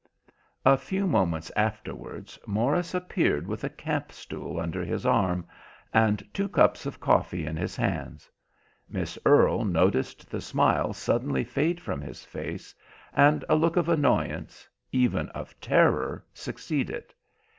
A few moments afterwards, Morris appeared with a camp stool under his arm, and two cups of coffee in his hands. Miss Earle noticed the smile suddenly fade from his face, and a look of annoyance, even of terror, succeed it.